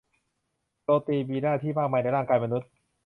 โปรตีนมีหน้าที่มากมายในร่างกายมนุษย์